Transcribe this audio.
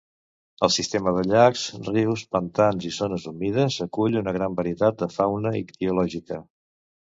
El sistema de llacs, rius, pantans i zones humides acull una gran varietat de fauna ictiològica.